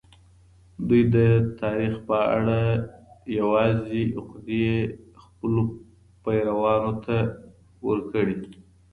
دوی د تاریخ په اړه یوازي عقدې خپلو پیروانو ته ورکړې.